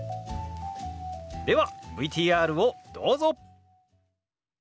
ではＶＴＲをどうぞ！